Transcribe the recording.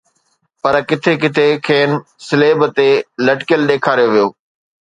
پر ڪٿي ڪٿي کين صليب تي لٽڪيل ڏيکاريو ويو